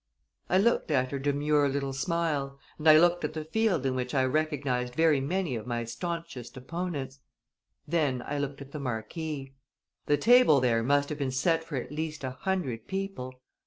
I looked at her demure little smile and I looked at the field in which I recognized very many of my staunchest opponents. Then I looked at the marquee. The table there must have been set for at least a hundred people.